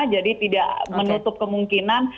jadi tidak menutup kemungkinan